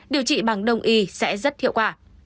điều trị bằng đồng y sẽ rất hiệu quả